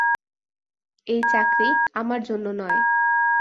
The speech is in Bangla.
এই চাকরি আমার জন্য নয়।